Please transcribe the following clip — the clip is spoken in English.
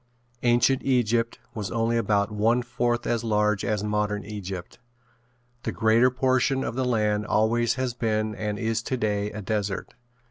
Ancient Egypt was only about one fourth as large as modern Egypt. The greater portion of the land always has been and is today a desert.